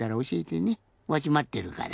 わしまってるから。